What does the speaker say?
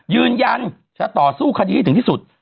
ยืนยันจะต่อสู้คดีให้ถึงที่สุด